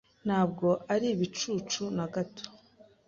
Ntabwo ari ibicucu na gato.